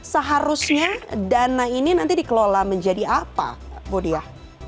nah harusnya dana ini nanti dikelola menjadi apa bodia